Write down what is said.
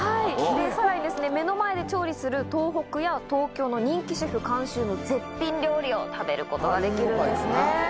さらに目の前で調理する東北や東京の人気シェフ監修の絶品料理を食べることができるんですね。